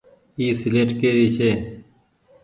اي سيليٽ ڪي ري ڇي۔